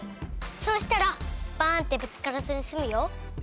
そうしたらバーンッてぶつからずにすむよ。